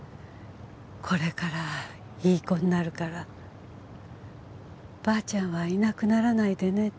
「これからいい子になるからばあちゃんはいなくならないでね」